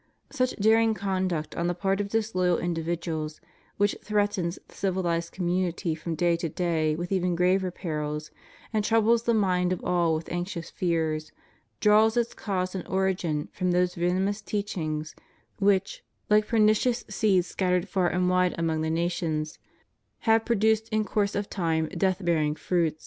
Such daring conduct on the part of disloyal individuals, which threatens the civilized community from day to day with even graver perils, and troubles the mind of all with anxious fears, draws its cause and origin from those venomous teachings which, like pernicious seed scattered far and wide among the nations, have produced in course » Jude 8. » 1 Tim. vi. 10. 24 SOCIALISM, COMMUNISM, NIHILISM, of time death bearing fruit.